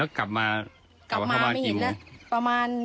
แล้วก็กลับมาไม่เห็นนะ